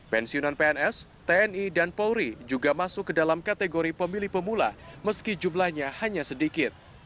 pensiunan pns tni dan polri juga masuk ke dalam kategori pemilih pemula meski jumlahnya hanya sedikit